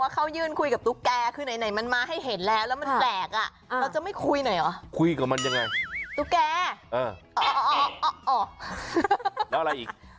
เข้ายื่นเขาบอกว่าเข้ายื่นคุยกับแท้แรกอ่ะ